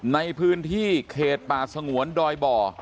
ในพื้นที่เขตป่าสงวนดอยบ่อ